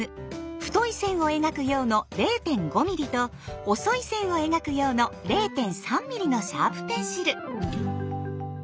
太い線を描く用の０．５ｍｍと細い線を描く用の０．３ｍｍのシャープペンシル。